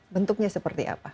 bentuknya seperti apa